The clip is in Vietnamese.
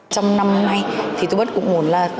trong năm nay thì tô bắt cũng muốn là